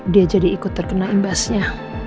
dia jadi ikut terkena imbasnya